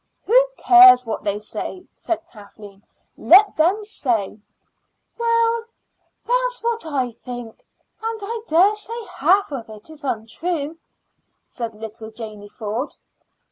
"Who cares what they say?" said Kathleen. "Let them say." "Well, that's what I think; and I dare say half of it is untrue," said little Janey Ford.